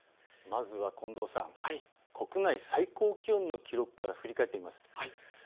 まずは近藤さん、国内最高気温の記録から振り返ってみます。